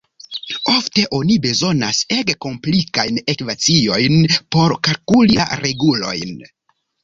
Ofte oni bezonas ege komplikajn ekvaciojn por kalkuli la regulojn.